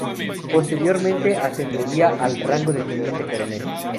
Posteriormente ascendería al rango de teniente coronel.